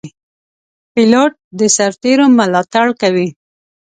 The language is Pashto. پیلوټ د سرتېرو ملاتړ کوي.